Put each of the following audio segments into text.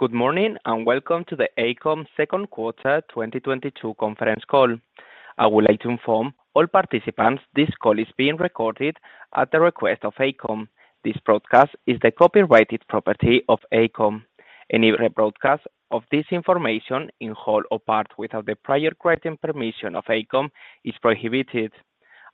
Good morning, and welcome to the AECOM second quarter 2022 conference call. I would like to inform all participants this call is being recorded at the request of AECOM. This broadcast is the copyrighted property of AECOM. Any rebroadcast of this information in whole or part without the prior written permission of AECOM is prohibited.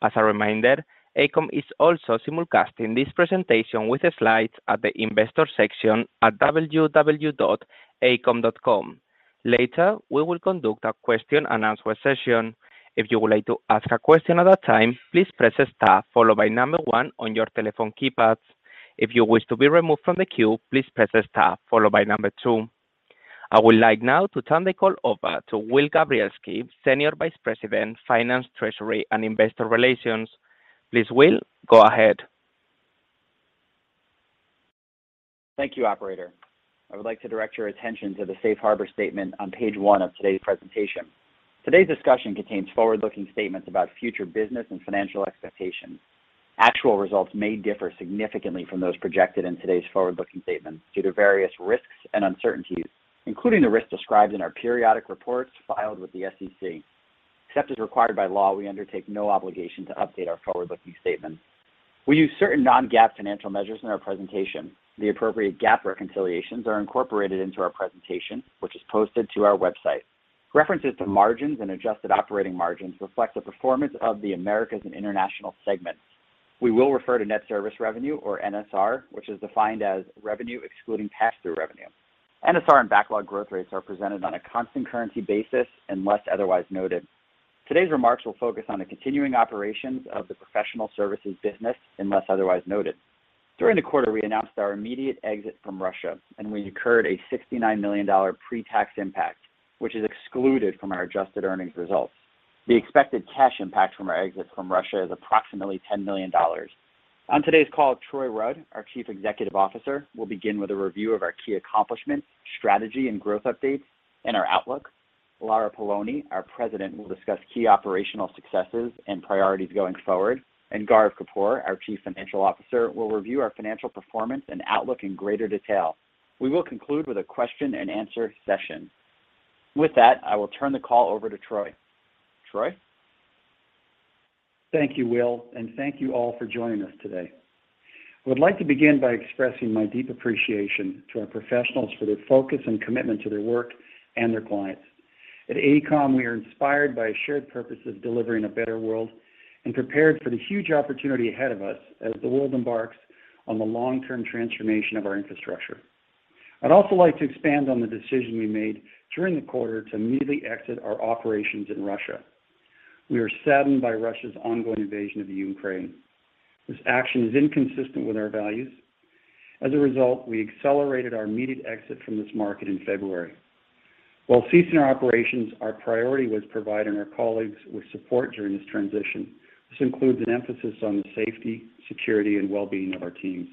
As a reminder, AECOM is also simulcasting this presentation with the slides at the investor section at www.aecom.com. Later, we will conduct a question and answer session. If you would like to ask a question at that time, please press star followed by one on your telephone keypads. If you wish to be removed from the queue, please press star followed by two. I would like now to turn the call over to Will Gabrielski, Senior Vice President, Finance, Treasury, and Investor Relations. Please, Will, go ahead. Thank you, operator. I would like to direct your attention to the Safe Harbor statement on page one of today's presentation. Today's discussion contains forward-looking statements about future business and financial expectations. Actual results may differ significantly from those projected in today's forward-looking statements due to various risks and uncertainties, including the risks described in our periodic reports filed with the SEC. Except as required by law, we undertake no obligation to update our forward-looking statements. We use certain non-GAAP financial measures in our presentation. The appropriate GAAP reconciliations are incorporated into our presentation, which is posted to our website. References to margins and adjusted operating margins reflect the performance of the Americas and International segments. We will refer to net service revenue or NSR, which is defined as revenue excluding pass-through revenue. NSR and backlog growth rates are presented on a constant currency basis unless otherwise noted. Today's remarks will focus on the continuing operations of the professional services business unless otherwise noted. During the quarter, we announced our immediate exit from Russia, and we incurred a $69 million pre-tax impact, which is excluded from our adjusted earnings results. The expected cash impact from our exit from Russia is approximately $10 million. On today's call, Troy Rudd, our Chief Executive Officer, will begin with a review of our key accomplishments, strategy, and growth updates and our outlook. Lara Poloni, our President, will discuss key operational successes and priorities going forward. Gaurav Kapoor, our Chief Financial Officer, will review our financial performance and outlook in greater detail. We will conclude with a question and answer session. With that, I will turn the call over to Troy. Troy? Thank you, Will, and thank you all for joining us today. I would like to begin by expressing my deep appreciation to our professionals for their focus and commitment to their work and their clients. At AECOM, we are inspired by a shared purpose of delivering a better world and prepared for the huge opportunity ahead of us as the world embarks on the long-term transformation of our infrastructure. I'd also like to expand on the decision we made during the quarter to immediately exit our operations in Russia. We are saddened by Russia's ongoing invasion of the Ukraine. This action is inconsistent with our values. As a result, we accelerated our immediate exit from this market in February. While ceasing our operations, our priority was providing our colleagues with support during this transition. This includes an emphasis on the safety, security, and well-being of our teams.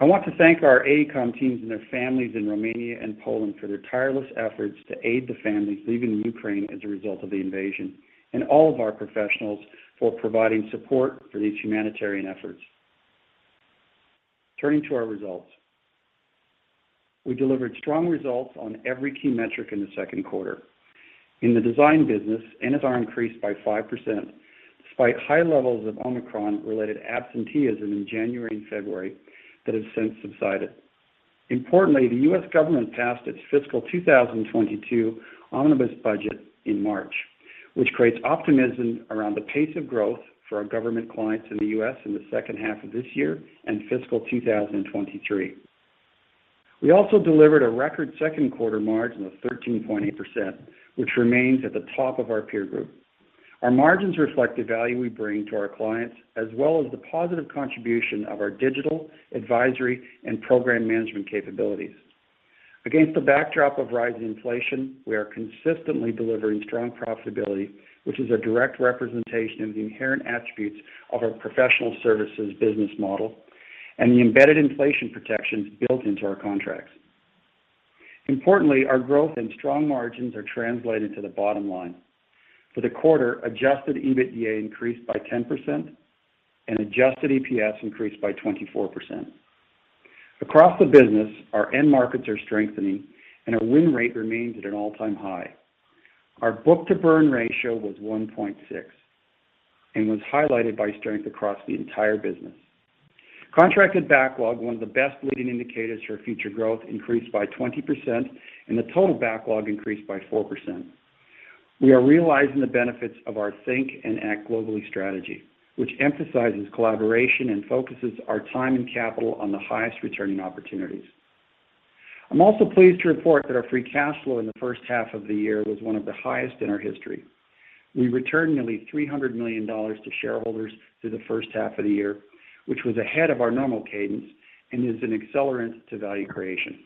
I want to thank our AECOM teams and their families in Romania and Poland for their tireless efforts to aid the families leaving Ukraine as a result of the invasion, and all of our professionals for providing support for these humanitarian efforts. Turning to our results. We delivered strong results on every key metric in the second quarter. In the design business, NSR increased by 5% despite high levels of Omicron-related absenteeism in January and February that has since subsided. Importantly, the U.S. government passed its fiscal 2022 omnibus budget in March, which creates optimism around the pace of growth for our government clients in the U.S. in the second half of this year and fiscal 2023. We also delivered a record second quarter margin of 13.8%, which remains at the top of our peer group. Our margins reflect the value we bring to our clients, as well as the positive contribution of our digital, advisory, and program management capabilities. Against the backdrop of rising inflation, we are consistently delivering strong profitability, which is a direct representation of the inherent attributes of our professional services business model and the embedded inflation protections built into our contracts. Importantly, our growth and strong margins are translated to the bottom line. For the quarter, adjusted EBITDA increased by 10% and adjusted EPS increased by 24%. Across the business, our end markets are strengthening and our win rate remains at an all-time high. Our book-to-bill ratio was 1.6x and was highlighted by strength across the entire business. Contracted backlog, one of the best leading indicators for future growth, increased by 20%, and the total backlog increased by 4%. We are realizing the benefits of our Think and Act Globally strategy, which emphasizes collaboration and focuses our time and capital on the highest returning opportunities. I'm also pleased to report that our free cash flow in the first half of the year was one of the highest in our history. We returned nearly $300 million to shareholders through the first half of the year, which was ahead of our normal cadence and is an accelerant to value creation.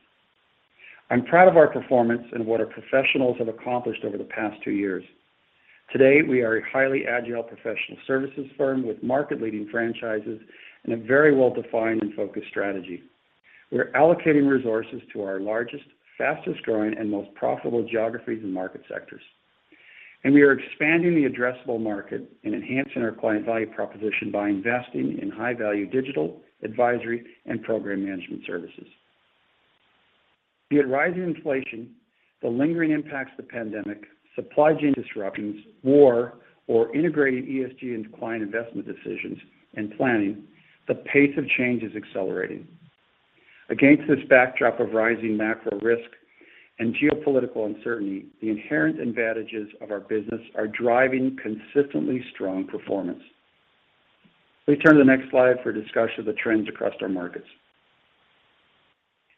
I'm proud of our performance and what our professionals have accomplished over the past two years. Today, we are a highly agile professional services firm with market-leading franchises and a very well-defined and focused strategy. We're allocating resources to our largest, fastest-growing, and most profitable geographies and market sectors. We are expanding the addressable market and enhancing our client value proposition by investing in high-value digital, advisory, and program management services. Be it rising inflation, the lingering impacts of the pandemic, supply chain disruptions, war, or integrating ESG into client investment decisions and planning, the pace of change is accelerating. Against this backdrop of rising macro risk and geopolitical uncertainty, the inherent advantages of our business are driving consistently strong performance. Please turn to the next slide for a discussion of the trends across our markets.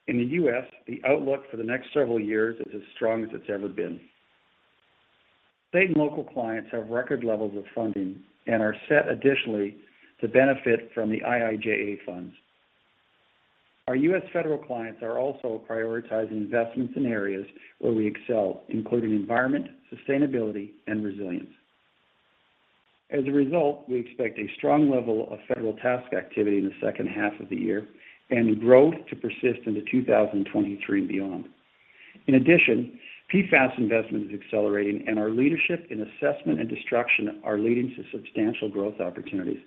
In the U.S., the outlook for the next several years is as strong as it's ever been. State and local clients have record levels of funding and are set additionally to benefit from the IIJA funds. Our U.S. federal clients are also prioritizing investments in areas where we excel, including environment, sustainability, and resilience. As a result, we expect a strong level of federal task activity in the second half of the year and growth to persist into 2023 and beyond. In addition, PFAS investment is accelerating, and our leadership in assessment and destruction are leading to substantial growth opportunities.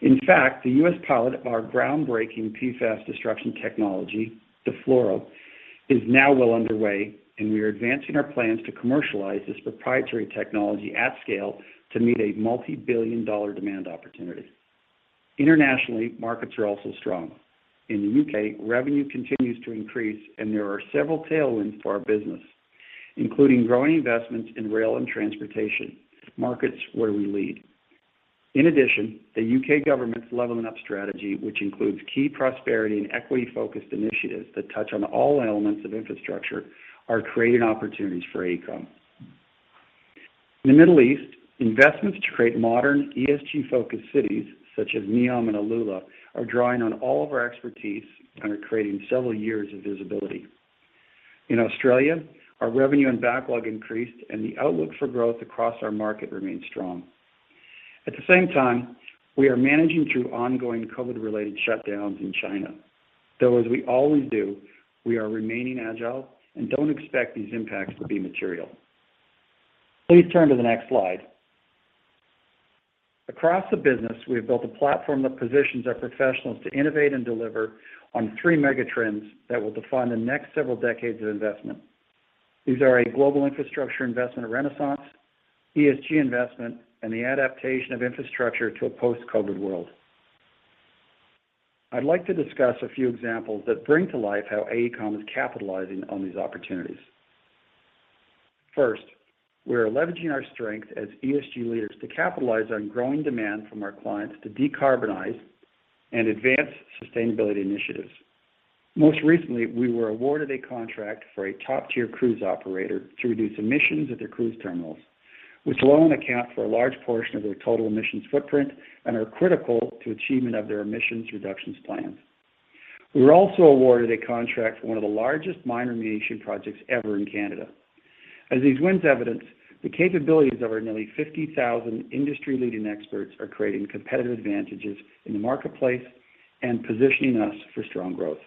In fact, the U.S. pilot of our groundbreaking PFAS destruction technology, DE-FLUORO, is now well underway, and we are advancing our plans to commercialize this proprietary technology at scale to meet a multi-billion-dollar demand opportunity. Internationally, markets are also strong. In the U.K., revenue continues to increase, and there are several tailwinds for our business, including growing investments in rail and transportation, markets where we lead. In addition, the U.K. government's Levelling Up strategy, which includes key prosperity and equity-focused initiatives that touch on all elements of infrastructure, are creating opportunities for AECOM. In the Middle East, investments to create modern, ESG-focused cities such as NEOM and AlUla are drawing on all of our expertise and are creating several years of visibility. In Australia, our revenue and backlog increased, and the outlook for growth across our market remains strong. At the same time, we are managing through ongoing COVID-related shutdowns in China. Though as we always do, we are remaining agile and don't expect these impacts to be material. Please turn to the next slide. Across the business, we have built a platform that positions our professionals to innovate and deliver on three mega trends that will define the next several decades of investment. These are a global infrastructure investment renaissance, ESG investment, and the adaptation of infrastructure to a post-COVID world. I'd like to discuss a few examples that bring to life how AECOM is capitalizing on these opportunities. First, we are leveraging our strength as ESG leaders to capitalize on growing demand from our clients to decarbonize and advance sustainability initiatives. Most recently, we were awarded a contract for a top-tier cruise operator to reduce emissions at their cruise terminals, which alone account for a large portion of their total emissions footprint and are critical to achievement of their emissions reductions plans. We were also awarded a contract for one of the largest mine remediation projects ever in Canada. As these wins evidence, the capabilities of our nearly 50,000 industry-leading experts are creating competitive advantages in the marketplace and positioning us for strong growth.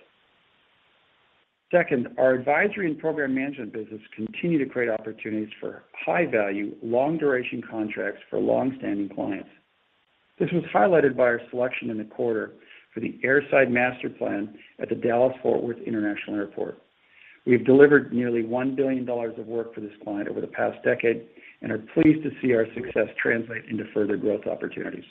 Second, our advisory and program management business continue to create opportunities for high-value, long-duration contracts for longstanding clients. This was highlighted by our selection in the quarter for the Airside Master Plan at the Dallas Fort Worth International Airport. We've delivered nearly $1 billion of work for this client over the past decade and are pleased to see our success translate into further growth opportunities.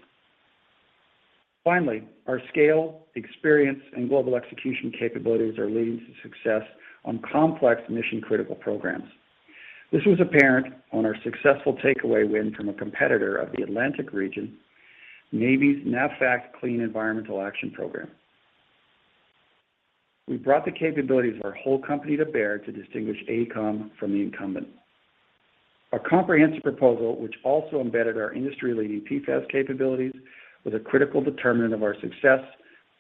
Finally, our scale, experience, and global execution capabilities are leading to success on complex mission-critical programs. This was apparent on our successful takeaway win from a competitor of the Atlantic region, Navy's NAVFAC CLEAN Environmental Action Program. We brought the capabilities of our whole company to bear to distinguish AECOM from the incumbent. Our comprehensive proposal, which also embedded our industry-leading PFAS capabilities, was a critical determinant of our success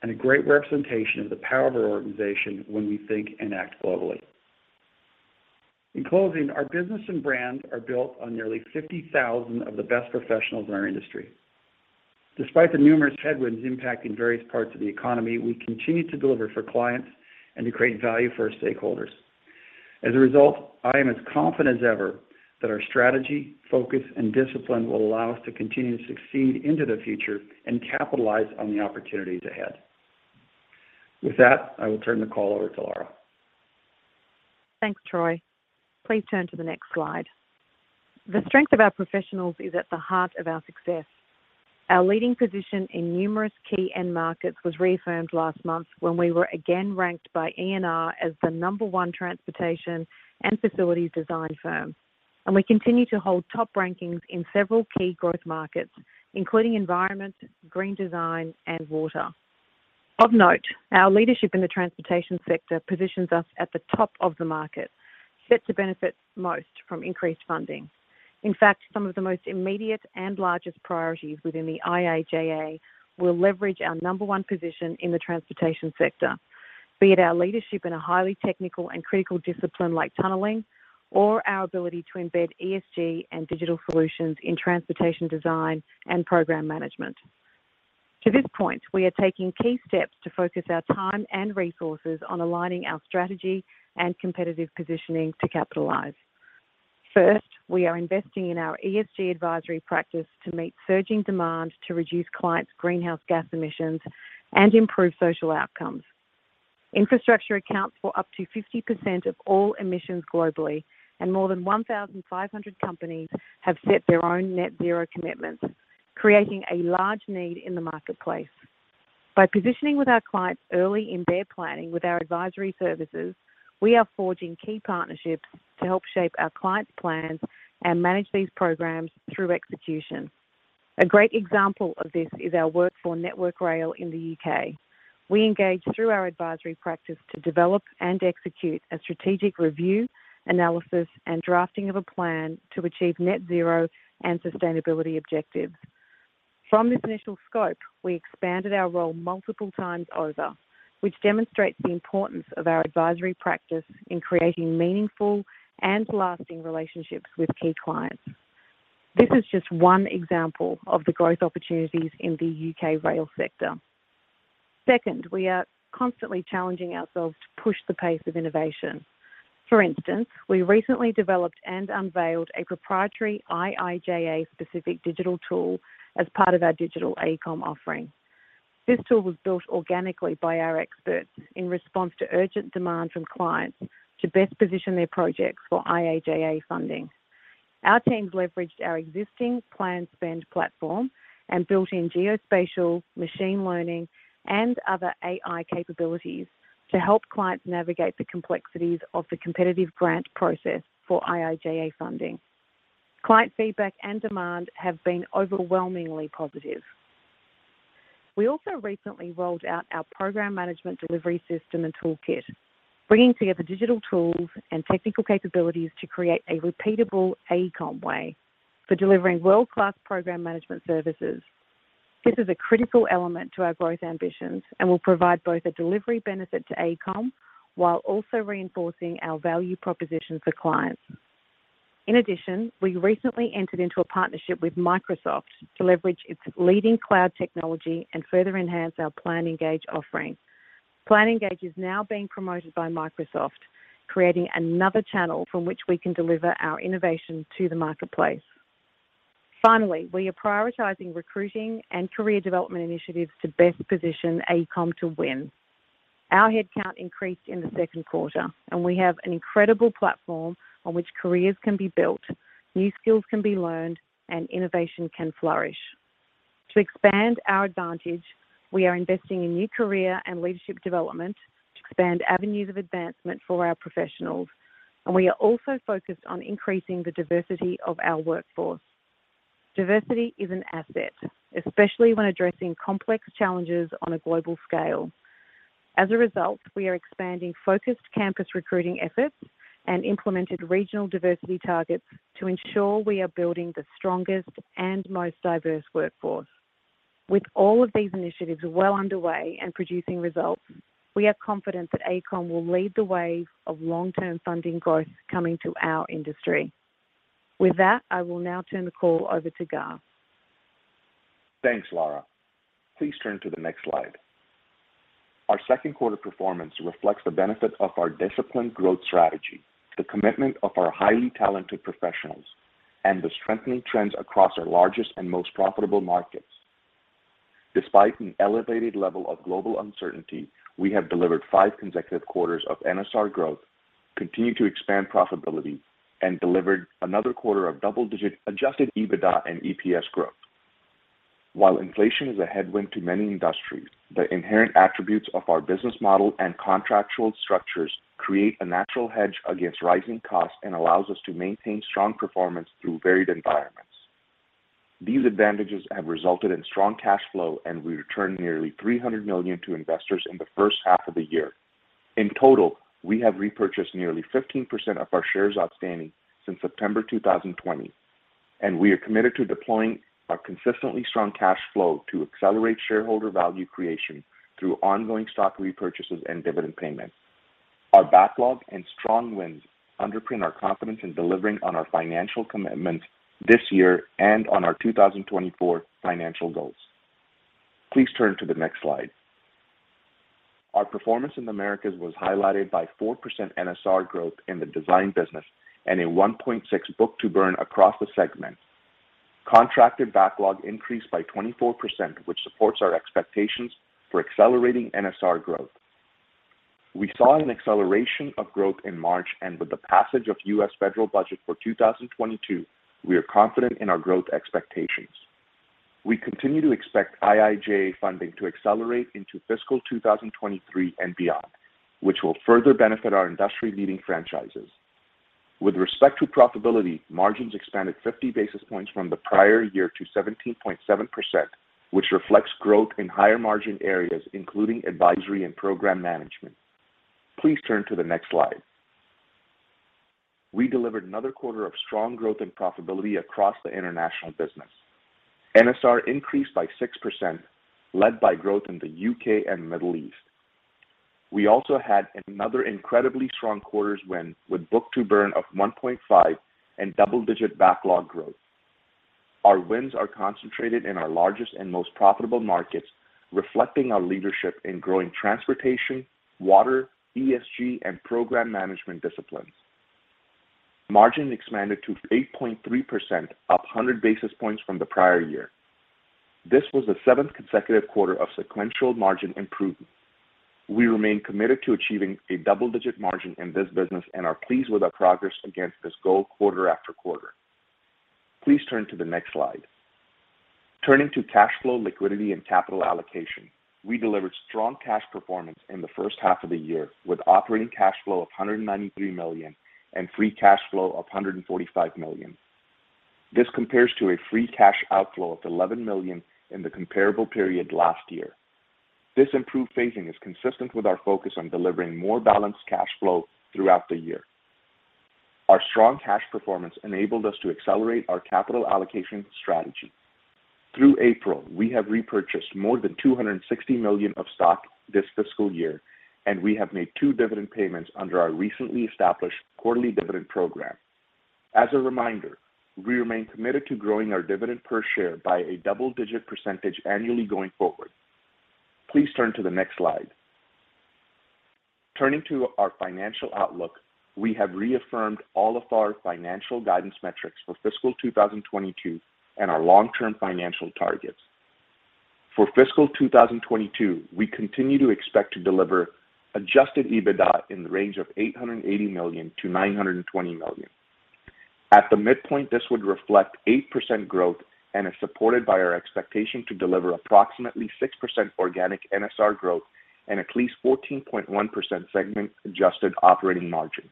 and a great representation of the power of our organization when we think and act globally. In closing, our business and brand are built on nearly 50,000 of the best professionals in our industry. Despite the numerous headwinds impacting various parts of the economy, we continue to deliver for clients and to create value for our stakeholders. As a result, I am as confident as ever that our strategy, focus, and discipline will allow us to continue to succeed into the future and capitalize on the opportunities ahead. With that, I will turn the call over to Lara. Thanks, Troy. Please turn to the next slide. The strength of our professionals is at the heart of our success. Our leading position in numerous key end markets was reaffirmed last month when we were again ranked by ENR as the number one transportation and facilities design firm. We continue to hold top rankings in several key growth markets, including environment, green design, and water. Of note, our leadership in the transportation sector positions us at the top of the market, set to benefit most from increased funding. In fact, some of the most immediate and largest priorities within the IIJA will leverage our number one position in the transportation sector, be it our leadership in a highly technical and critical discipline like tunneling or our ability to embed ESG and digital solutions in transportation design and program management. To this point, we are taking key steps to focus our time and resources on aligning our strategy and competitive positioning to capitalize. First, we are investing in our ESG advisory practice to meet surging demand to reduce clients' greenhouse gas emissions and improve social outcomes. Infrastructure accounts for up to 50% of all emissions globally and more than 1,500 companies have set their own net zero commitments, creating a large need in the marketplace. By positioning with our clients early in their planning with our advisory services, we are forging key partnerships to help shape our clients' plans and manage these programs through execution. A great example of this is our work for Network Rail in the U.K. We engage through our advisory practice to develop and execute a strategic review, analysis, and drafting of a plan to achieve net zero and sustainability objectives. From this initial scope, we expanded our role multiple times over, which demonstrates the importance of our advisory practice in creating meaningful and lasting relationships with key clients. This is just one example of the growth opportunities in the U.K. rail sector. Second, we are constantly challenging ourselves to push the pace of innovation. For instance, we recently developed and unveiled a proprietary IIJA-specific digital tool as part of our Digital AECOM offering. This tool was built organically by our experts in response to urgent demand from clients to best position their projects for IIJA funding. Our teams leveraged our existing client spend platform and built in geospatial machine learning and other AI capabilities to help clients navigate the complexities of the competitive grant process for IIJA funding. Client feedback and demand have been overwhelmingly positive. We also recently rolled out our program management delivery system and toolkit, bringing together digital tools and technical capabilities to create a repeatable AECOM way for delivering world-class program management services. This is a critical element to our growth ambitions and will provide both a delivery benefit to AECOM while also reinforcing our value proposition for clients. In addition, we recently entered into a partnership with Microsoft to leverage its leading cloud technology and further enhance our PlanEngage offering. PlanEngage is now being promoted by Microsoft, creating another channel from which we can deliver our innovation to the marketplace. Finally, we are prioritizing recruiting and career development initiatives to best position AECOM to win. Our headcount increased in the second quarter and we have an incredible platform on which careers can be built, new skills can be learned, and innovation can flourish. To expand our advantage, we are investing in new career and leadership development to expand avenues of advancement for our professionals, and we are also focused on increasing the diversity of our workforce. Diversity is an asset, especially when addressing complex challenges on a global scale. As a result, we are expanding focused campus recruiting efforts and implemented regional diversity targets to ensure we are building the strongest and most diverse workforce. With all of these initiatives well underway and producing results, we are confident that AECOM will lead the way of long-term funding growth coming to our industry. With that, I will now turn the call over to Gaurav Kapoor. Thanks, Lara. Please turn to the next slide. Our second quarter performance reflects the benefit of our disciplined growth strategy, the commitment of our highly talented professionals, and the strengthening trends across our largest and most profitable markets. Despite an elevated level of global uncertainty, we have delivered five consecutive quarters of NSR growth, continued to expand profitability, and delivered another quarter of double-digit adjusted EBITDA and EPS growth. While inflation is a headwind to many industries, the inherent attributes of our business model and contractual structures create a natural hedge against rising costs and allows us to maintain strong performance through varied environments. These advantages have resulted in strong cash flow, and we returned nearly $300 million to investors in the first half of the year. In total, we have repurchased nearly 15% of our shares outstanding since September 2020, and we are committed to deploying our consistently strong cash flow to accelerate shareholder value creation through ongoing stock repurchases and dividend payments. Our backlog and strong wins underpin our confidence in delivering on our financial commitments this year and on our 2024 financial goals. Please turn to the next slide. Our performance in the Americas was highlighted by 4% NSR growth in the design business and a 1.6x book-to-bill across the segment. Contracted backlog increased by 24%, which supports our expectations for accelerating NSR growth. We saw an acceleration of growth in March, and with the passage of U.S. federal budget for 2022, we are confident in our growth expectations. We continue to expect IIJA funding to accelerate into fiscal 2023 and beyond, which will further benefit our industry-leading franchises. With respect to profitability, margins expanded 50 basis points from the prior year to 17.7%, which reflects growth in higher margin areas, including advisory and program management. Please turn to the next slide. We delivered another quarter of strong growth and profitability across the international business. NSR increased by 6%, led by growth in the U.K. and Middle East. We also had another incredibly strong quarters win with book-to-bill of 1.5x and double-digit backlog growth. Our wins are concentrated in our largest and most profitable markets, reflecting our leadership in growing transportation, water, ESG, and program management disciplines. Margin expanded to 8.3%, up 100 basis points from the prior year. This was the seventh consecutive quarter of sequential margin improvement. We remain committed to achieving a double-digit margin in this business and are pleased with our progress against this goal quarter after quarter. Please turn to the next slide. Turning to cash flow liquidity and capital allocation. We delivered strong cash performance in the first half of the year with operating cash flow of $193 million and free cash flow of $145 million. This compares to a free cash outflow of $11 million in the comparable period last year. This improved phasing is consistent with our focus on delivering more balanced cash flow throughout the year. Our strong cash performance enabled us to accelerate our capital allocation strategy. Through April, we have repurchased more than $260 million of stock this fiscal year, and we have made two dividend payments under our recently established quarterly dividend program. As a reminder, we remain committed to growing our dividend per share by a double-digit percentage annually going forward. Please turn to the next slide. Turning to our financial outlook, we have reaffirmed all of our financial guidance metrics for fiscal 2022 and our long-term financial targets. For fiscal 2022, we continue to expect to deliver adjusted EBITDA in the range of $880 million-$920 million. At the midpoint, this would reflect 8% growth and is supported by our expectation to deliver approximately 6% organic NSR growth and at least 14.1% segment adjusted operating margin.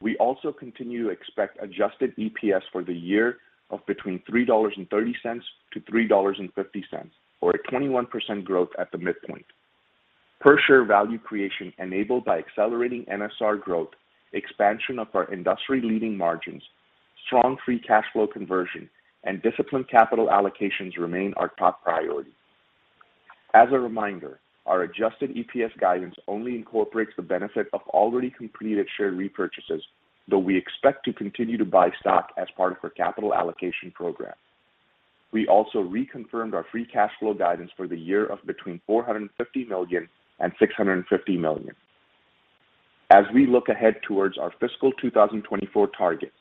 We also continue to expect adjusted EPS for the year of between $3.30 and $3.50, or a 21% growth at the midpoint. Per share value creation enabled by accelerating NSR growth, expansion of our industry-leading margins, strong free cash flow conversion, and disciplined capital allocations remain our top priority. As a reminder, our adjusted EPS guidance only incorporates the benefit of already completed share repurchases, though we expect to continue to buy stock as part of our capital allocation program. We also reconfirmed our free cash flow guidance for the year of between $450 million and $650 million. As we look ahead towards our fiscal 2024 target,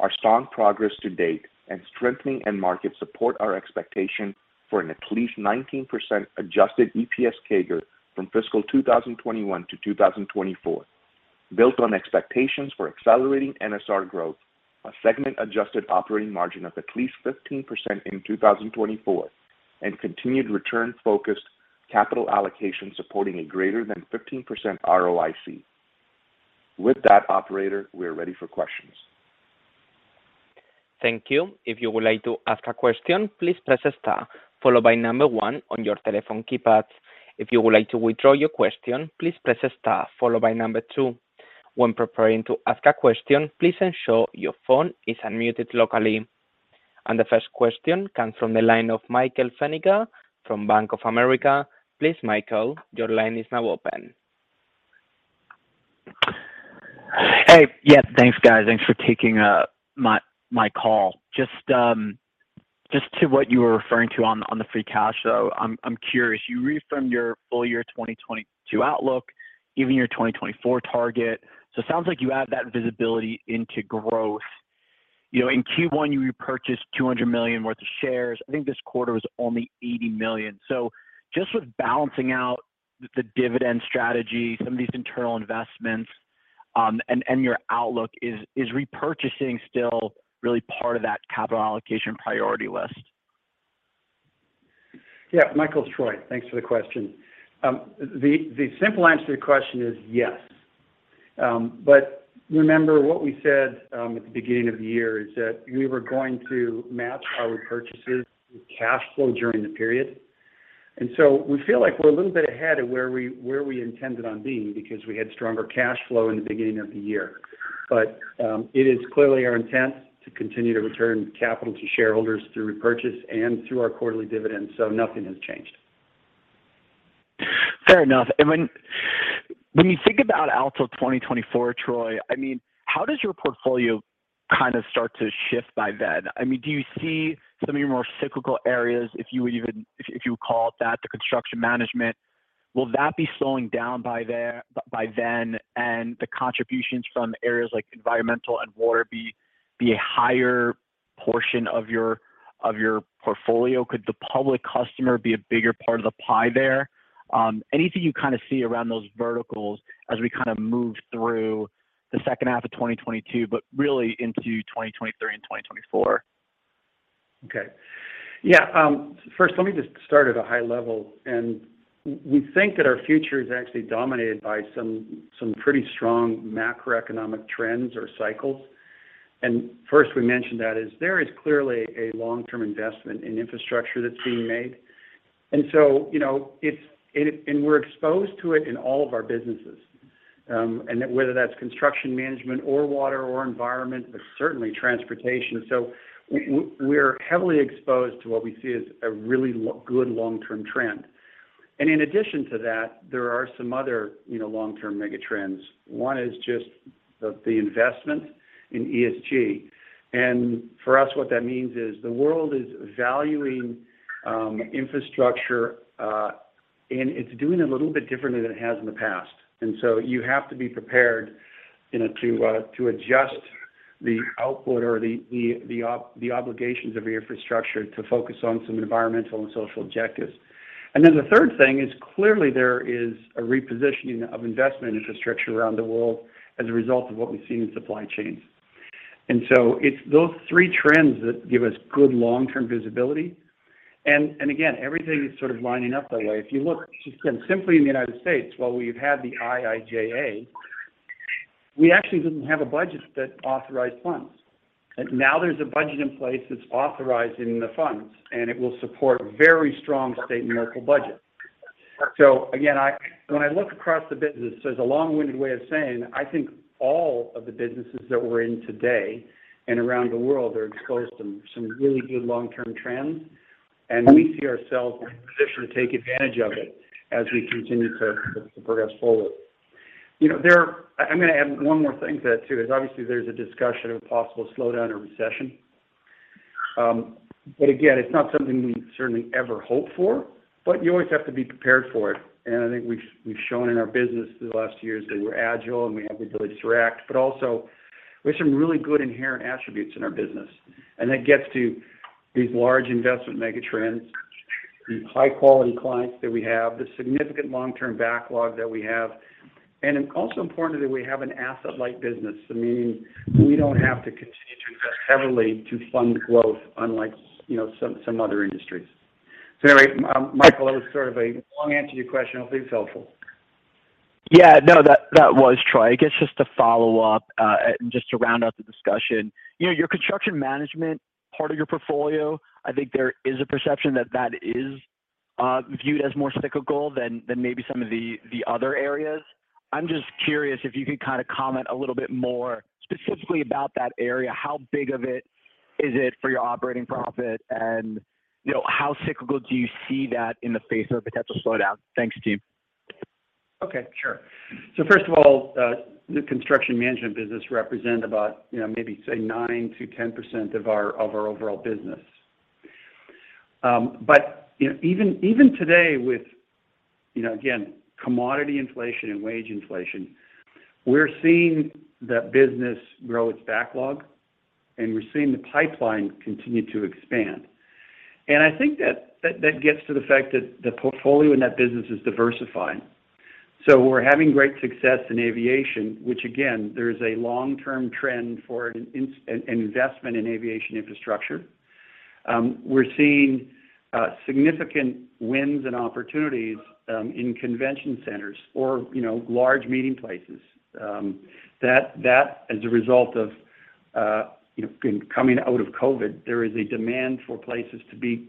our strong progress to date and strengthening end markets support our expectation for an at least 19% adjusted EPS CAGR from fiscal 2021 to 2024, built on expectations for accelerating NSR growth, a segment adjusted operating margin of at least 15% in 2024, and continued return-focused capital allocation supporting a greater than 15% ROIC. With that operator, we are ready for questions. Thank you. If you would like to ask a question, please press star followed by one on your telephone keypad. If you would like to withdraw your question, please press star followed by two. When preparing to ask a question, please ensure your phone is unmuted locally. The first question comes from the line of Michael Feniger from Bank of America. Please, Michael, your line is now open. Hey. Yeah, thanks, guys. Thanks for taking my call. Just to what you were referring to on the free cash flow. I'm curious, you reaffirmed your full year 2022 outlook, even your 2024 target. So it sounds like you add that visibility into growth. You know, in Q1, you repurchased $200 million worth of shares. I think this quarter was only $80 million. So just with balancing out the dividend strategy, some of these internal investments, and your outlook, is repurchasing still really part of that capital allocation priority list? Yeah. Michael, it's Troy. Thanks for the question. The simple answer to your question is yes. Remember what we said at the beginning of the year is that we were going to match our purchases with cash flow during the period. We feel like we're a little bit ahead of where we intended on being because we had stronger cash flow in the beginning of the year. It is clearly our intent to continue to return capital to shareholders through repurchase and through our quarterly dividends, so nothing has changed. Fair enough. When you think about out till 2024, Troy, I mean, how does your portfolio kind of start to shift by then? I mean, do you see some of your more cyclical areas, if you would call it that, the construction management, will that be slowing down by then and the contributions from areas like environmental and water be a higher portion of your portfolio? Could the public customer be a bigger part of the pie there? Anything you kind of see around those verticals as we kind of move through the second half of 2022, but really into 2023 and 2024? First let me just start at a high level, and we think that our future is actually dominated by some pretty strong macroeconomic trends or cycles. First we mentioned that there is clearly a long-term investment in infrastructure that's being made. You know, it's, and we're exposed to it in all of our businesses. That, whether that's construction management or water or environment, but certainly transportation. We are heavily exposed to what we see as a really good long-term trend. In addition to that, there are some other, you know, long-term mega trends. One is just the investment in ESG. For us, what that means is the world is valuing infrastructure, and it's doing it a little bit differently than it has in the past. You have to be prepared, you know, to adjust the output or the obligations of your infrastructure to focus on some environmental and social objectives. Then the third thing is clearly there is a repositioning of investment infrastructure around the world as a result of what we've seen in supply chains. It's those three trends that give us good long-term visibility. Again, everything is sort of lining up that way. If you look just, again, simply in the United States, while we've had the IIJA, we actually didn't have a budget that authorized funds. Now there's a budget in place that's authorizing the funds, and it will support very strong state and local budgets. Again, when I look across the business, there's a long-winded way of saying, I think all of the businesses that we're in today and around the world are exposed to some really good long-term trends, and we see ourselves in a position to take advantage of it as we continue to progress forward. You know, I'm gonna add one more thing to that, too, is obviously there's a discussion of a possible slowdown or recession. Again, it's not something we certainly ever hope for, but you always have to be prepared for it. I think we've shown in our business through the last years that we're agile and we have the ability to react. We have some really good inherent attributes in our business. That gets to these large investment mega trends, these high-quality clients that we have, the significant long-term backlog that we have. It's also important that we have an asset-light business. Meaning we don't have to continue to invest heavily to fund growth unlike, you know, some other industries. Anyway, Michael, that was sort of a long answer to your question. Hopefully, it's helpful. No, that was, Troy. I guess just to follow up, just to round out the discussion. You know, your construction management part of your portfolio, I think there is a perception that that is viewed as more cyclical than maybe some of the other areas. I'm just curious if you could kinda comment a little bit more specifically about that area. How big is it for your operating profit? And, you know, how cyclical do you see that in the face of a potential slowdown? Thanks, team. Okay, sure. First of all, the construction management business represent about, you know, maybe say 9%-10% of our overall business. But, you know, even today with, you know, again, commodity inflation and wage inflation, we're seeing that business grow its backlog, and we're seeing the pipeline continue to expand. I think that gets to the fact that the portfolio in that business is diversifying. We're having great success in aviation, which again, there is a long-term trend for an investment in aviation infrastructure. We're seeing significant wins and opportunities in convention centers or, you know, large meeting places. That as a result of you know in coming out of COVID, there is a demand for places to be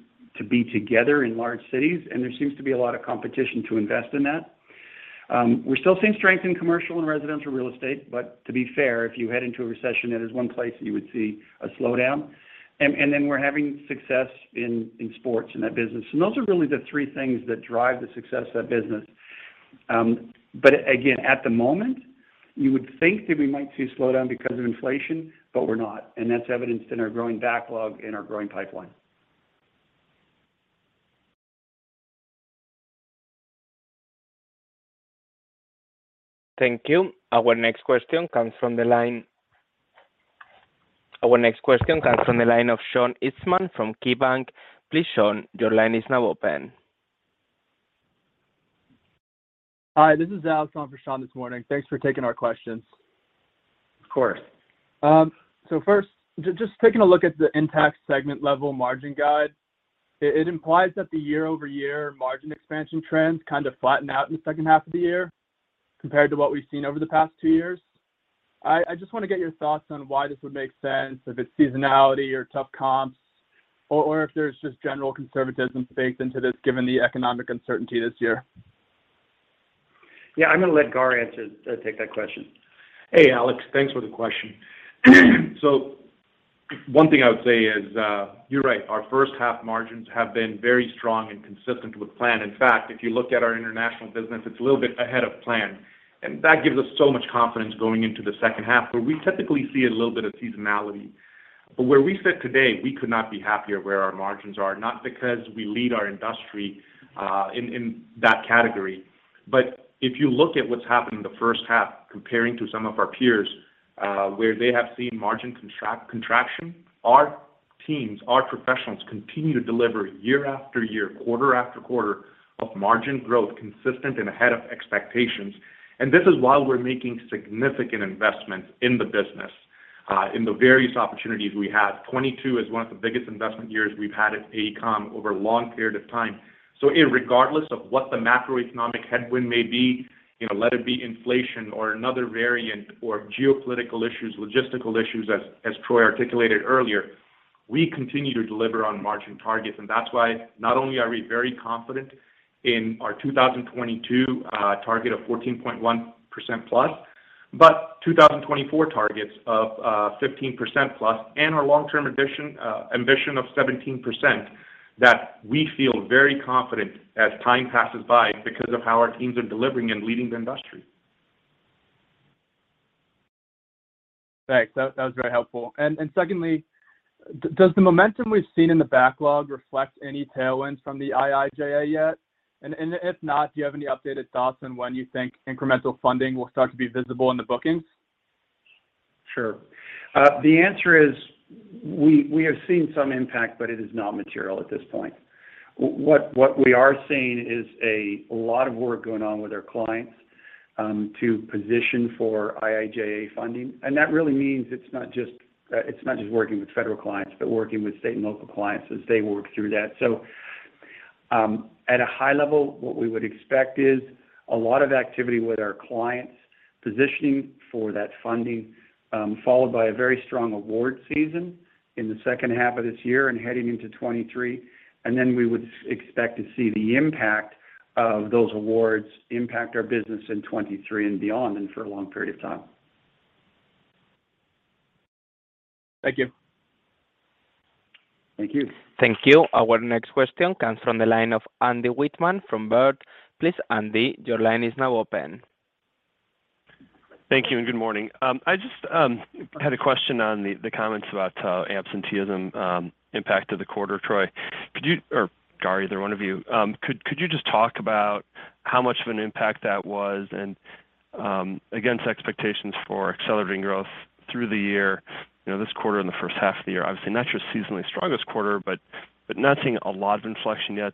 together in large cities, and there seems to be a lot of competition to invest in that. We're still seeing strength in commercial and residential real estate, but to be fair, if you head into a recession, that is one place you would see a slowdown. Then we're having success in sports in that business. Those are really the three things that drive the success of that business. Again, at the moment, you would think that we might see a slowdown because of inflation, but we're not, and that's evidenced in our growing backlog and our growing pipeline. Thank you. Our next question comes from the line of Sean Eastman from KeyBanc. Please, Sean, your line is now open. Hi, this is Alex on for Sean this morning. Thanks for taking our questions. Of course. First, just taking a look at the intact segment-level margin guide, it implies that the year-over-year margin expansion trends kinda flatten out in the second half of the year compared to what we've seen over the past two years. I just wanna get your thoughts on why this would make sense, if it's seasonality or tough comps, or if there's just general conservatism baked into this given the economic uncertainty this year. Yeah. I'm gonna let Gar answer, take that question. Hey, Alex, thanks for the question. One thing I would say is, you're right. Our first half margins have been very strong and consistent with plan. In fact, if you look at our international business, it's a little bit ahead of plan. That gives us so much confidence going into the second half, where we typically see a little bit of seasonality. Where we sit today, we could not be happier where our margins are, not because we lead our industry in that category. If you look at what's happened in the first half, comparing to some of our peers, where they have seen margin contraction, our teams, our professionals continue to deliver year after year, quarter after quarter of margin growth consistent and ahead of expectations. This is while we're making significant investments in the business, in the various opportunities we have. 2022 is one of the biggest investment years we've had at AECOM over a long period of time. Irregardless of what the macroeconomic headwind may be, you know, let it be inflation or another variant or geopolitical issues, logistical issues as Troy articulated earlier. We continue to deliver on margin targets, and that's why not only are we very confident in our 2022 target of 14.1%+, but 2024 targets of 15%+, and our long-term ambition of 17% that we feel very confident as time passes by because of how our teams are delivering and leading the industry. Thanks. That was very helpful. Secondly, does the momentum we've seen in the backlog reflect any tailwinds from the IIJA yet? If not, do you have any updated thoughts on when you think incremental funding will start to be visible in the bookings? Sure. The answer is we have seen some impact, but it is not material at this point. What we are seeing is a lot of work going on with our clients to position for IIJA funding. That really means it's not just working with federal clients, but working with state and local clients as they work through that. At a high level, what we would expect is a lot of activity with our clients positioning for that funding, followed by a very strong award season in the second half of this year and heading into 2023. We would expect to see the impact of those awards impact our business in 2023 and beyond, and for a long period of time. Thank you. Thank you. Thank you. Our next question comes from the line of Andy Wittmann from Baird. Please, Andy, your line is now open. Thank you and good morning. I just had a question on the comments about absenteeism impact to the quarter. Troy, or Gar, either one of you, could you just talk about how much of an impact that was and against expectations for accelerating growth through the year, you know, this quarter and the first half of the year? Obviously, not your seasonally strongest quarter, but not seeing a lot of inflection yet.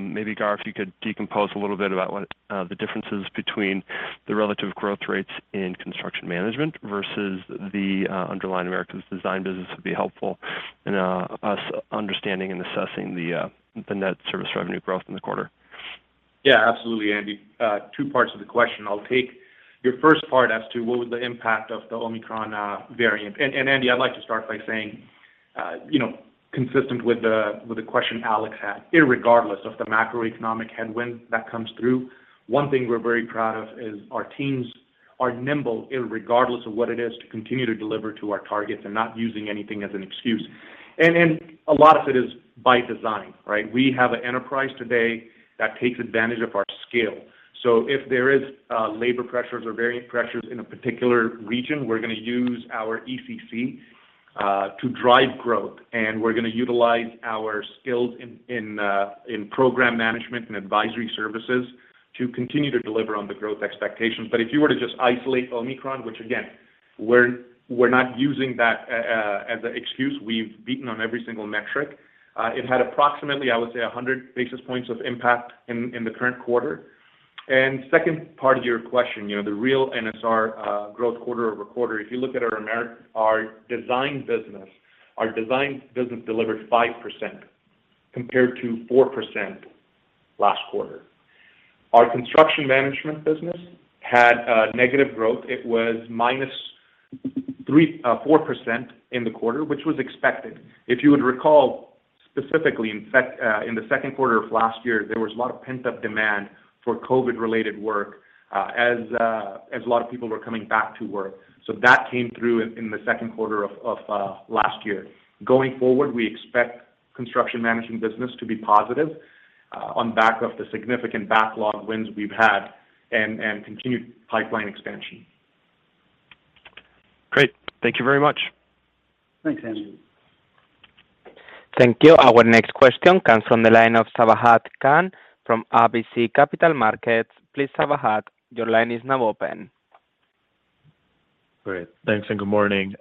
Maybe Gar, if you could decompose a little bit about what the differences between the relative growth rates in construction management versus the underlying Americas design business would be helpful in us understanding and assessing the net service revenue growth in the quarter. Yeah, absolutely, Andy. Two parts of the question. I'll take your first part as to what was the impact of the Omicron variant. Andy, I'd like to start by saying, you know, consistent with the question Alex had, irregardless of the macroeconomic headwind that comes through, one thing we're very proud of is our teams are nimble irregardless of what it is to continue to deliver to our targets and not using anything as an excuse. A lot of it is by design, right? We have an enterprise today that takes advantage of our scale. If there is labor pressures or variant pressures in a particular region, we're gonna use our GCC to drive growth, and we're gonna utilize our skills in program management and advisory services to continue to deliver on the growth expectations. If you were to just isolate Omicron, which again, we're not using that as an excuse, we've beaten on every single metric. It had approximately, I would say, 100 basis points of impact in the current quarter. Second part of your question, you know, the real NSR growth quarter-over-quarter. If you look at our design business, our design business delivered 5% compared to 4% last quarter. Our construction management business had negative growth. It was -4% in the quarter, which was expected. If you would recall, specifically, in the second quarter of last year, there was a lot of pent-up demand for COVID-related work, as a lot of people were coming back to work. That came through in the second quarter of last year. Going forward, we expect construction management business to be positive on the back of the significant backlog wins we've had and continued pipeline expansion. Great. Thank you very much. Thanks, Andy. Thank you. Our next question comes from the line of Sabahat Khan from RBC Capital Markets. Please, Sabahat, your line is now open. Great. Thanks and good morning.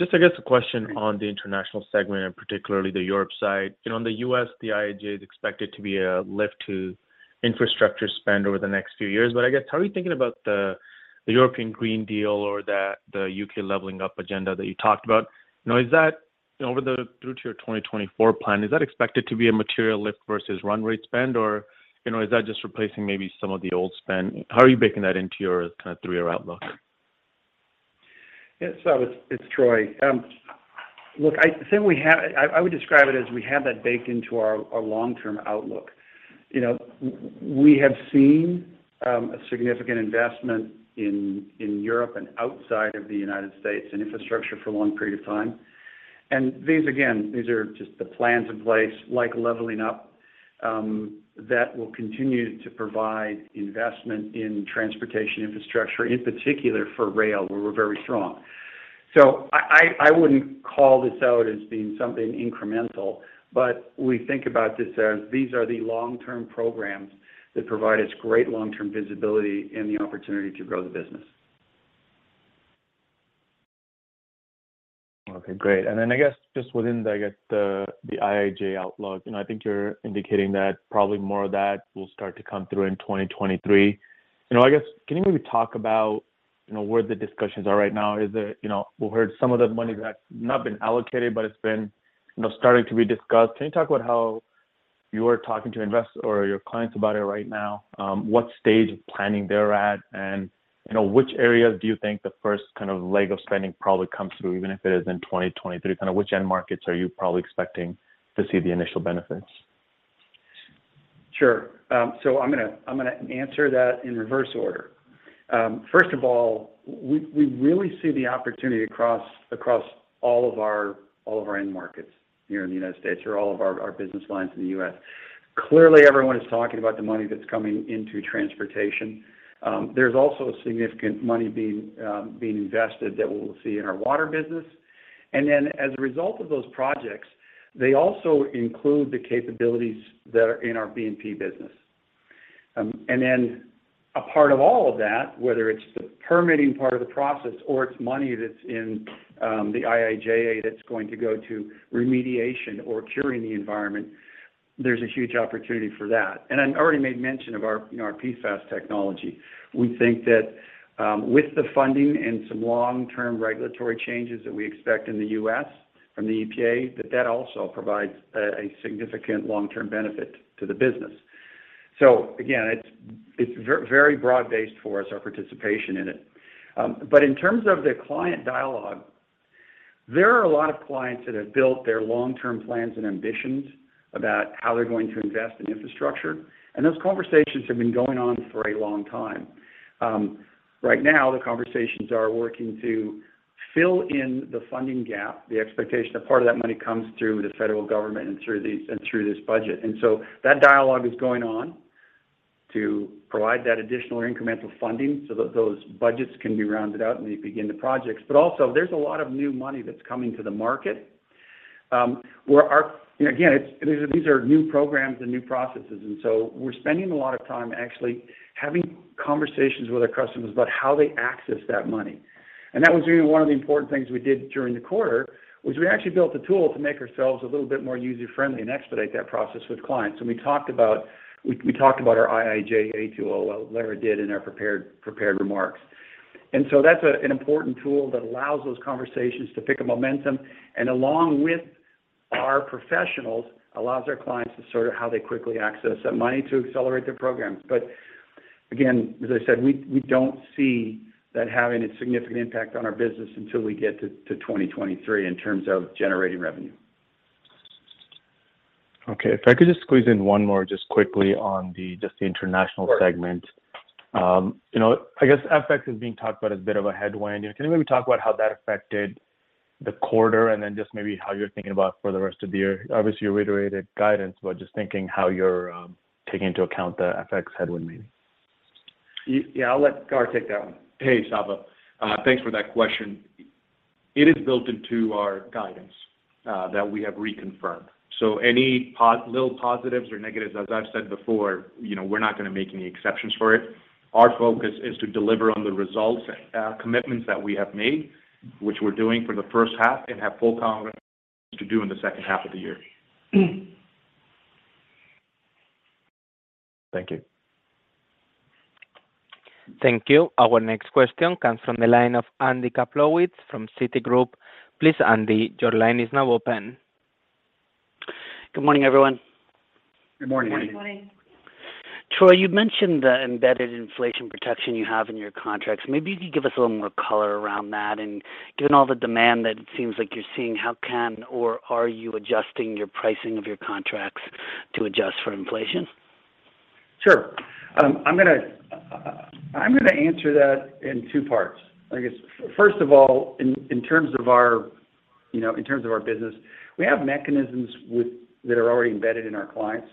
Just I guess a question on the international segment, and particularly the Europe side. You know, in the U.S., the IIJA is expected to be a lift to infrastructure spend over the next few years. But I guess, how are you thinking about the European Green Deal or the UK Levelling Up agenda that you talked about? You know, is that through to your 2024 plan, is that expected to be a material lift versus run rate spend or, you know, is that just replacing maybe some of the old spend? How are you baking that into your kind of three-year outlook? Yeah. Sabahat, it's Troy. Look, I would describe it as we have that baked into our long-term outlook. You know, we have seen a significant investment in Europe and outside of the United States in infrastructure for a long period of time. These again, these are just the plans in place, like Levelling Up, that will continue to provide investment in transportation infrastructure, in particular for rail, where we're very strong. I wouldn't call this out as being something incremental, but we think about this as these are the long-term programs that provide us great long-term visibility and the opportunity to grow the business. Okay, great. I guess just within the IIJA outlook, you know, I think you're indicating that probably more of that will start to come through in 2023. You know, I guess, can you maybe talk about, you know, where the discussions are right now? Is it, you know, we heard some of the money that's not been allocated, but it's been, you know, starting to be discussed. Can you talk about how you are talking to investors or your clients about it right now, what stage of planning they're at, and, you know, which areas do you think the first kind of leg of spending probably comes through, even if it is in 2023? Kind of which end markets are you probably expecting to see the initial benefits? Sure. So I'm gonna answer that in reverse order. First of all, we really see the opportunity across all of our end markets here in the United States or all of our business lines in the U.S. Clearly, everyone is talking about the money that's coming into transportation. There's also significant money being invested that we'll see in our water business. Then as a result of those projects, they also include the capabilities that are in our B&P business. A part of all of that, whether it's the permitting part of the process or it's money that's in the IIJA that's going to go to remediation or curing the environment, there's a huge opportunity for that. I've already made mention of our, you know, our PFAS technology. We think that with the funding and some long-term regulatory changes that we expect in the U.S. from the EPA, that also provides a significant long-term benefit to the business. Again, it's very broad-based for us, our participation in it. In terms of the client dialogue, there are a lot of clients that have built their long-term plans and ambitions about how they're going to invest in infrastructure, and those conversations have been going on for a long time. Right now, the conversations are working to fill in the funding gap, the expectation that part of that money comes through the federal government and through this budget. That dialogue is going on to provide that additional incremental funding so that those budgets can be rounded out and they begin the projects. also there's a lot of new money that's coming to the market. You know, again, these are new programs and new processes, and so we're spending a lot of time actually having conversations with our customers about how they access that money. that was really one of the important things we did during the quarter, was we actually built a tool to make ourselves a little bit more user-friendly and expedite that process with clients. We talked about our IIJA tool, well, Lara did in our prepared remarks. that's an important tool that allows those conversations to pick up momentum, and along with our professionals, allows our clients to sort of how they quickly access that money to accelerate their programs. Again, as I said, we don't see that having a significant impact on our business until we get to 2023 in terms of generating revenue. Okay. If I could just squeeze in one more just quickly on just the international segment. Sure. You know, I guess FX is being talked about as a bit of a headwind. Can you maybe talk about how that affected the quarter, and then just maybe how you're thinking about for the rest of the year? Obviously, you reiterated guidance, but just thinking how you're taking into account the FX headwind maybe. Yeah, I'll let Gar take that one. Hey, Sava. Thanks for that question. It is built into our guidance that we have reconfirmed. Any little positives or negatives, as I've said before, you know, we're not gonna make any exceptions for it. Our focus is to deliver on the results, commitments that we have made, which we're doing for the first half and have full confidence to do in the second half of the year. Thank you. Thank you. Our next question comes from the line of Andy Kaplowitz from Citigroup. Please, Andy, your line is now open. Good morning, everyone. Good morning. Good morning. Troy, you've mentioned the embedded inflation protection you have in your contracts. Maybe you could give us a little more color around that. Given all the demand that it seems like you're seeing, how can or are you adjusting your pricing of your contracts to adjust for inflation? Sure. I'm gonna answer that in two parts, I guess. First of all, in terms of our business, you know, we have mechanisms that are already embedded in our clients,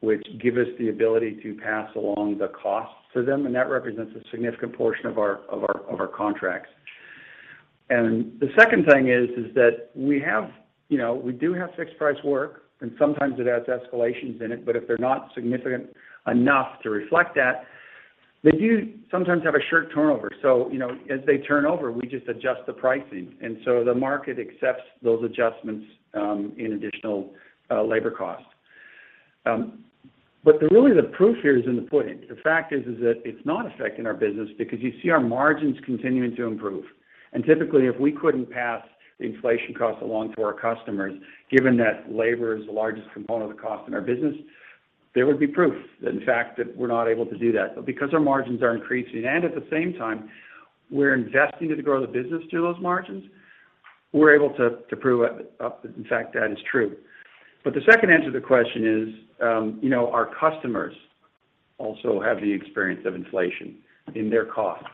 which give us the ability to pass along the cost to them, and that represents a significant portion of our contracts. The second thing is that we have, you know, we do have fixed price work, and sometimes it has escalations in it, but if they're not significant enough to reflect that, they do sometimes have a short turnover. You know, as they turn over, we just adjust the pricing. The market accepts those adjustments in additional labor costs. The proof here is in the pudding. The fact is that it's not affecting our business because you see our margins continuing to improve. Typically, if we couldn't pass the inflation costs along to our customers, given that labor is the largest component of the cost in our business, there would be proof that in fact that we're not able to do that. Because our margins are increasing and at the same time we're investing to grow the business to those margins, we're able to prove in fact that is true. The second answer to the question is, you know, our customers also have the experience of inflation in their costs.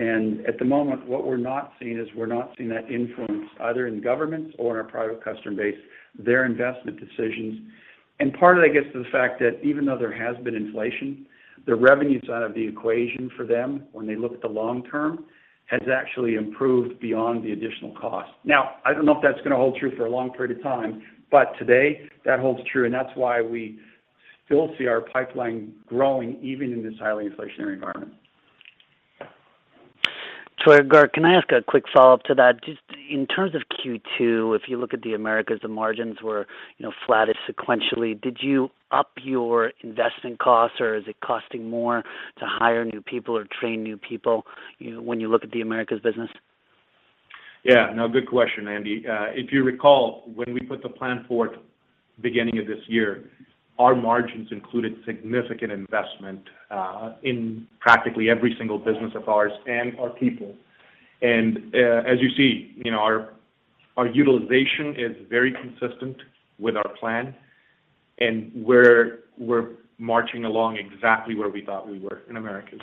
At the moment, what we're not seeing is we're not seeing that influence either in governments or in our private customer base, their investment decisions. Part of that gets to the fact that even though there has been inflation, the revenue side of the equation for them when they look at the long term, has actually improved beyond the additional cost. Now, I don't know if that's gonna hold true for a long period of time, but today that holds true, and that's why we still see our pipeline growing even in this highly inflationary environment. Troy or Gar, can I ask a quick follow-up to that? Just in terms of Q2, if you look at the Americas, the margins were, you know, flattish sequentially. Did you up your investment costs or is it costing more to hire new people or train new people, you know, when you look at the Americas business? Yeah, no, good question, Andy. If you recall, when we put the plan forth beginning of this year, our margins included significant investment in practically every single business of ours and our people. As you see, you know, our utilization is very consistent with our plan, and we're marching along exactly where we thought we were in Americas.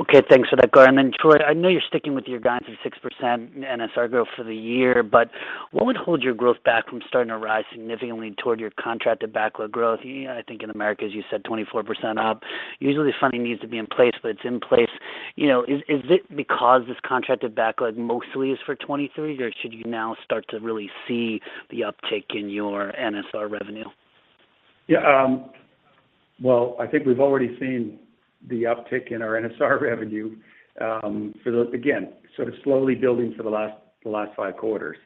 Okay. Thanks for that, Gaurav. Then Troy, I know you're sticking with your guidance of 6% NSR growth for the year, but what would hold your growth back from starting to rise significantly toward your contracted backlog growth? You know, I think in Americas, you said 24% up. Usually funding needs to be in place, but it's in place. You know, is it because this contracted backlog mostly is for 2023, or should you now start to really see the uptick in your NSR revenue? Yeah. Well, I think we've already seen the uptick in our NSR revenue. Again, sort of slowly building for the last five quarters.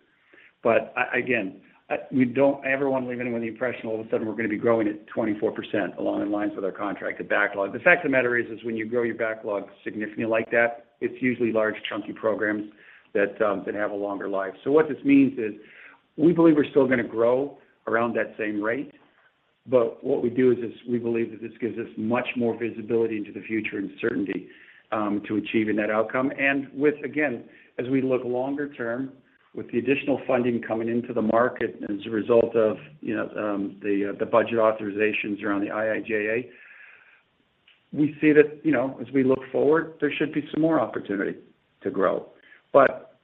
We don't ever wanna leave anyone the impression all of a sudden we're gonna be growing at 24% along the lines with our contracted backlog. The fact of the matter is when you grow your backlog significantly like that, it's usually large chunky programs that have a longer life. What this means is we believe we're still gonna grow around that same rate, but what we do is this, we believe that this gives us much more visibility into the future and certainty to achieving that outcome. With, again, as we look longer term, with the additional funding coming into the market as a result of, you know, the budget authorizations around the IIJA, we see that, you know, as we look forward, there should be some more opportunity to grow.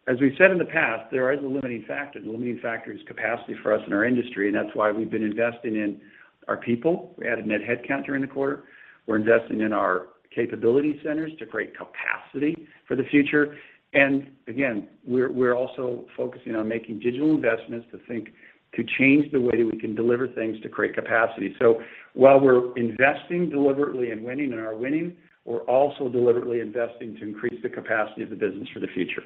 As we've said in the past, there is a limiting factor. The limiting factor is capacity for us in our industry, and that's why we've been investing in our people. We added net head count during the quarter. We're investing in our capability centers to create capacity for the future. Again, we're also focusing on making digital investments to think to change the way we can deliver things to create capacity. While we're investing deliberately in winning and are winning, we're also deliberately investing to increase the capacity of the business for the future.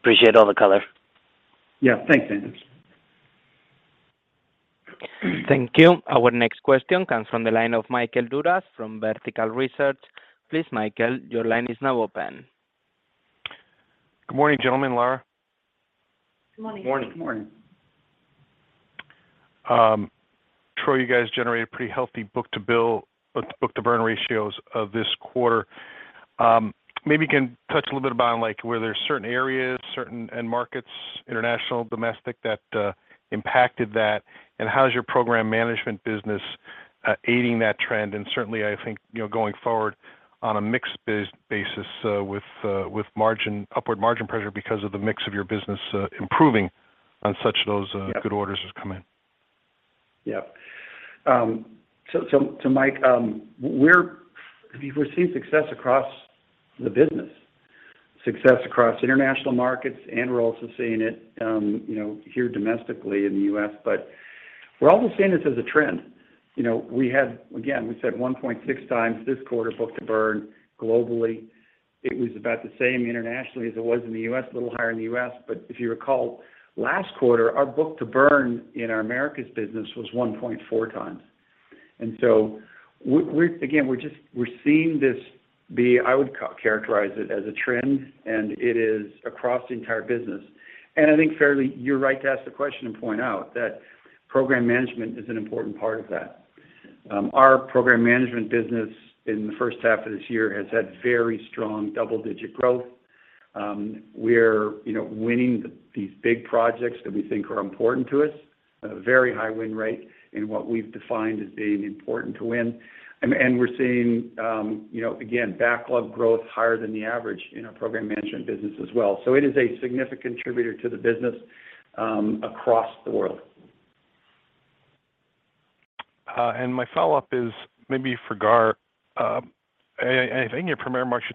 Appreciate all the color. Yeah. Thanks, Andrew. Thank you. Our next question comes from the line of Michael Dudas from Vertical Research Partners. Please, Michael, your line is now open. Good morning, gentlemen, Lara. Good morning. Morning. Good morning. Troy, you guys generated pretty healthy book-to-bill ratios this quarter. Maybe you can touch a little bit about, like, where there are certain areas and markets, international, domestic, that impacted that. How is your program management business aiding that trend? Certainly, I think, you know, going forward on a mixed basis with upward margin pressure because of the mix of your business improving on such as those. Yeah Good orders as come in. Yeah. So Mike, we're seeing success across the business. Success across international markets, and we're also seeing it, you know, here domestically in the U.S. We're also seeing this as a trend. You know, we had, again, we said 1.6x this quarter, book-to-bill globally. It was about the same internationally as it was in the U.S., a little higher in the U.S. If you recall, last quarter, our book-to-bill in our Americas business was 1.4x. We're, again, just seeing this be, I would characterize it as a trend, and it is across the entire business. I think fairly, you're right to ask the question and point out that program management is an important part of that. Our program management business in the first half of this year has had very strong double-digit growth. We're, you know, winning these big projects that we think are important to us at a very high win rate in what we've defined as being important to win. And we're seeing, you know, again, backlog growth higher than the average in our program management business as well. It is a significant contributor to the business across the world. My follow-up is maybe for Gar. I think in your prepared remarks,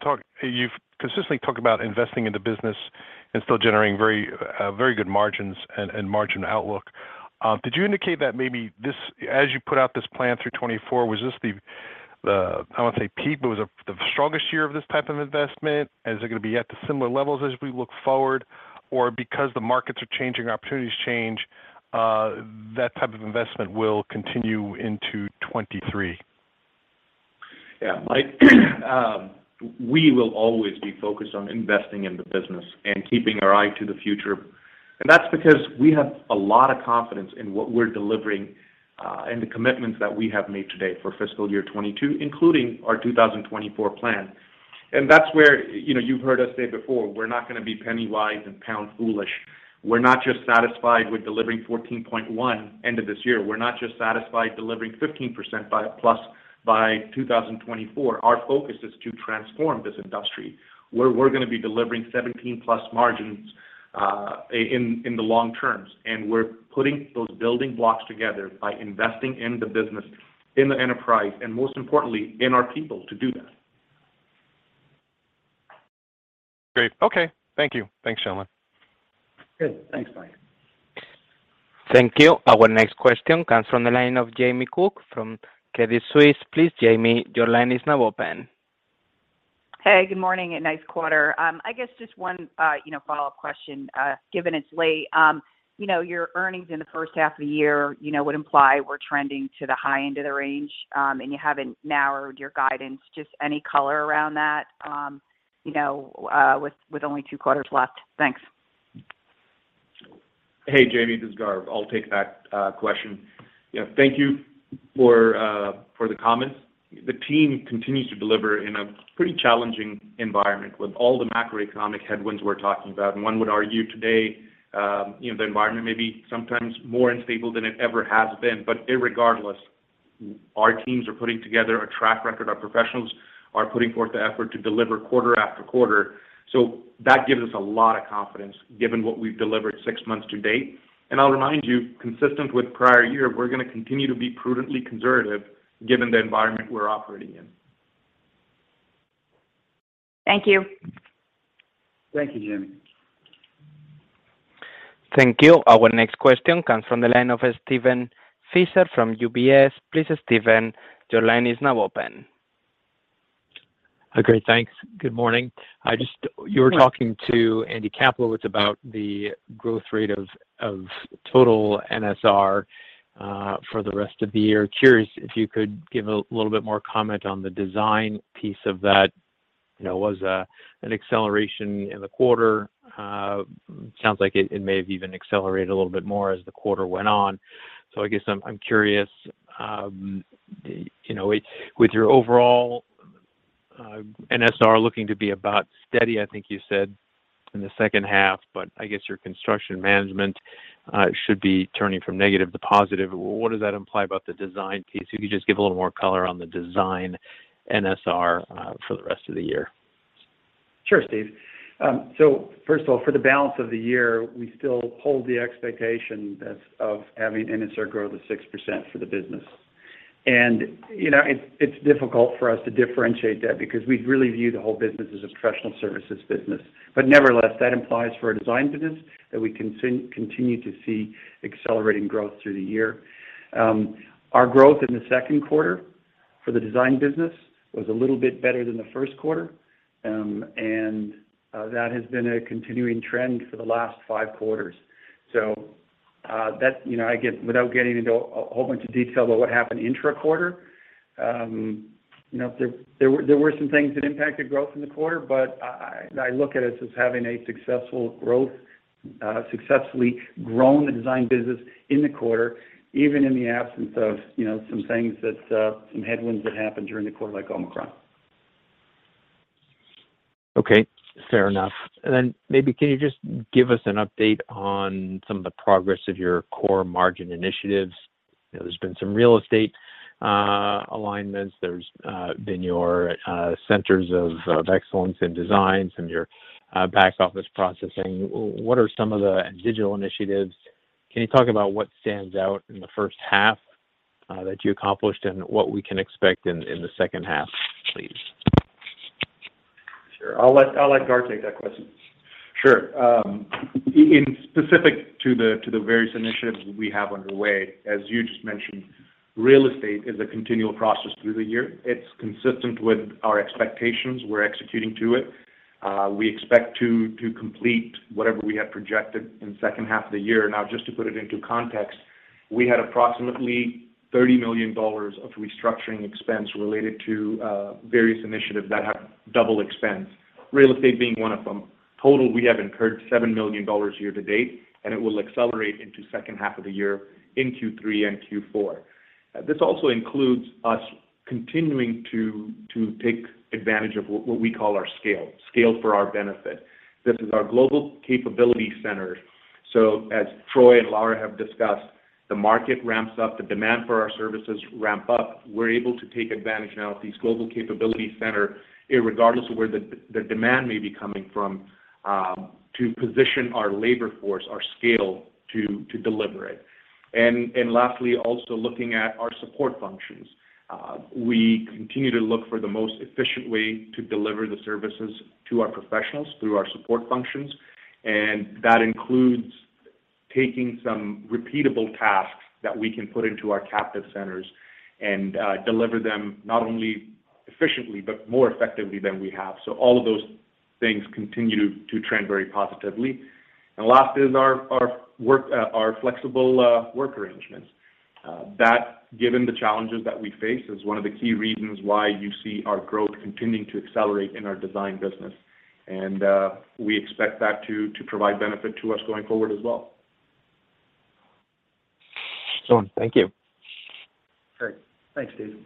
you've consistently talked about investing in the business and still generating very good margins and margin outlook. Did you indicate that maybe this, as you put out this plan through 2024, was this the, I don't wanna say peak, but was it the strongest year of this type of investment? Is it gonna be at the similar levels as we look forward? Because the markets are changing, opportunities change, that type of investment will continue into 2023? Yeah. Mike, we will always be focused on investing in the business and keeping our eye to the future. That's because we have a lot of confidence in what we're delivering, and the commitments that we have made today for fiscal year 2022, including our 2024 plan. That's where, you know, you've heard us say before, we're not gonna be penny wise and pound foolish. We're not just satisfied with delivering 14.1% end of this year. We're not just satisfied delivering 15%+ by 2024. Our focus is to transform this industry, where we're gonna be delivering 17+% margins in the long term. We're putting those building blocks together by investing in the business, in the enterprise, and most importantly, in our people to do that. Great. Okay. Thank you. Thanks, gentlemen. Good. Thanks, Mike. Thank you. Our next question comes from the line of Jamie Cook from Credit Suisse. Please, Jamie, your line is now open. Hey, good morning, and nice quarter. I guess just one, you know, follow-up question, given it's late. You know, your earnings in the first half of the year, you know, would imply we're trending to the high end of the range, and you haven't narrowed your guidance. Just any color around that, you know, with only two quarters left? Thanks. Hey, Jamie, this is Gar. I'll take that question. Yeah, thank you for the comments. The team continues to deliver in a pretty challenging environment with all the macroeconomic headwinds we're talking about, and one would argue today, you know, the environment may be sometimes more unstable than it ever has been. Irregardless, our teams are putting together a track record, our professionals are putting forth the effort to deliver quarter after quarter. That gives us a lot of confidence, given what we've delivered six months to date. I'll remind you, consistent with prior year, we're gonna continue to be prudently conservative given the environment we're operating in. Thank you. Thank you, Jamie. Thank you. Our next question comes from the line of Steven Fisher from UBS. Please, Steven, your line is now open. Okay, thanks. Good morning. I just. Good morning. You were talking to Andy Kaplowitz about the growth rate of total NSR for the rest of the year. Curious if you could give a little bit more comment on the design piece of that. You know, an acceleration in the quarter. Sounds like it may have even accelerated a little bit more as the quarter went on. I guess I'm curious, you know, with your overall NSR looking to be about steady, I think you said in the second half, but I guess your construction management should be turning from negative to positive. What does that imply about the design piece? If you just give a little more color on the design NSR for the rest of the year. Sure, Steve. First of all, for the balance of the year, we still hold the expectation of having NSR grow to 6% for the business. You know, it's difficult for us to differentiate that because we really view the whole business as a professional services business. Nevertheless, that implies for a design business that we continue to see accelerating growth through the year. Our growth in the second quarter for the design business was a little bit better than the first quarter, and that has been a continuing trend for the last five quarters. Without getting into a whole bunch of detail about what happened intra-quarter, you know, there were some things that impacted growth in the quarter, but I look at it as having a successful growth, successfully grown the design business in the quarter, even in the absence of, you know, some things that some headwinds that happened during the quarter, like Omicron. Okay, fair enough. Then maybe can you just give us an update on some of the progress of your core margin initiatives? You know, there's been some real estate alignments, there's been your centers of excellence in designs and your back office processing. What are some of the digital initiatives? Can you talk about what stands out in the first half that you accomplished and what we can expect in the second half, please? Sure. I'll let Gaurav Kapoor take that question. Sure. In specific to the various initiatives we have underway, as you just mentioned, real estate is a continual process through the year. It's consistent with our expectations. We're executing to it. We expect to complete whatever we have projected in second half of the year. Now, just to put it into context, we had approximately $30 million of restructuring expense related to various initiatives that have double expense, real estate being one of them. Total, we have incurred $7 million year to date, and it will accelerate into second half of the year in Q3 and Q4. This also includes us continuing to take advantage of what we call our scale for our benefit. This is our Global Capability Center. As Troy and Lara have discussed, the market ramps up, the demand for our services ramp up. We're able to take advantage now of these global capability center irregardless of where the demand may be coming from, to position our labor force, our scale to deliver it. Lastly, also looking at our support functions. We continue to look for the most efficient way to deliver the services to our professionals through our support functions, and that includes taking some repeatable tasks that we can put into our captive centers and deliver them not only efficiently, but more effectively than we have. All of those things continue to trend very positively. Last is our flexible work arrangements. That, given the challenges that we face, is one of the key reasons why you see our growth continuing to accelerate in our design business. We expect that to provide benefit to us going forward as well. Excellent. Thank you. Great. Thanks, Steven.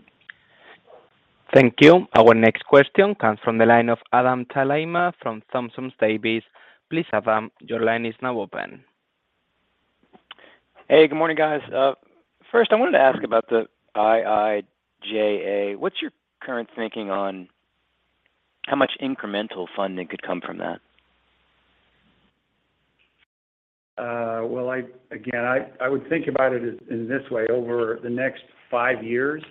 Thank you. Our next question comes from the line of Adam Thalhimer from Thompson Davis. Please, Adam, your line is now open. Hey, good morning, guys. First, I wanted to ask about the IIJA. What's your current thinking on how much incremental funding could come from that? Well, again, I would think about it in this way, over the next five years.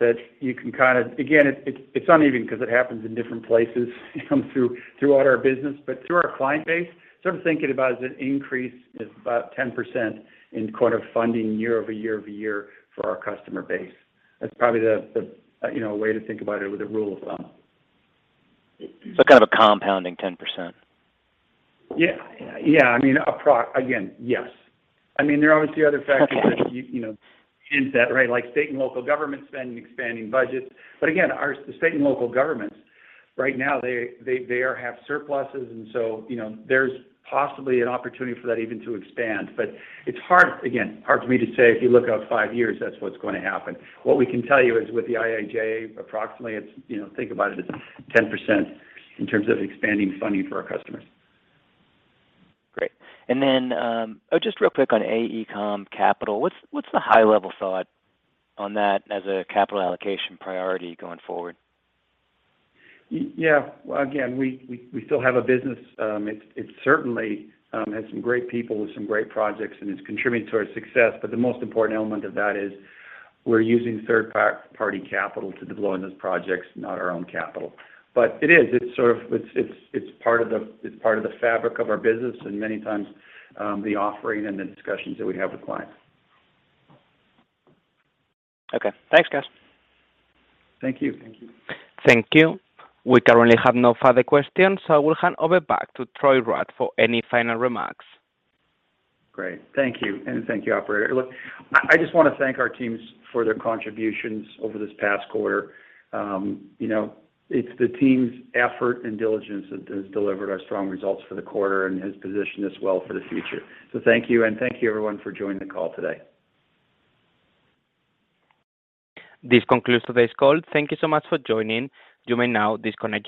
Again, it's uneven 'cause it happens in different places throughout our business. Through our client base, sort of thinking about it as an increase of about 10% in quarterly funding year-over-year for our customer base. That's probably the way to think about it with a rule of thumb. Kind of a compounding 10%? Yeah. Yeah, I mean, Again, yes. I mean, there are obviously other factors that, you know, hint that, right? Like state and local government spending, expanding budgets. Again, state and local governments, right now, they have surpluses, and so, you know, there's possibly an opportunity for that even to expand. It's hard, again, hard for me to say if you look out five years, that's what's gonna happen. What we can tell you is with the IIJA, approximately it's, you know, think about it as 10% in terms of expanding funding for our customers. Great. Just real quick on AECOM Capital. What's the high-level thought on that as a capital allocation priority going forward? Yeah. Again, we still have a business. It certainly has some great people with some great projects, and it's contributing to our success. The most important element of that is we're using third-party capital to deploy in those projects, not our own capital. It is, it's sort of part of the fabric of our business and many times, the offering and the discussions that we have with clients. Okay. Thanks, guys. Thank you. Thank you. Thank you. We currently have no further questions, so I will hand over back to Troy Rudd for any final remarks. Great. Thank you, and thank you, operator. Look, I just wanna thank our teams for their contributions over this past quarter. You know, it's the team's effort and diligence that has delivered our strong results for the quarter and has positioned us well for the future. Thank you, and thank you everyone for joining the call today. This concludes today's call. Thank you so much for joining. You may now disconnect your lines.